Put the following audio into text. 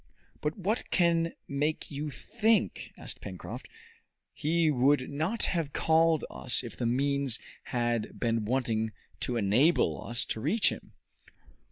"But what can make you think " asked Pencroft. "He would not have called us if the means had been wanting to enable us to reach him!"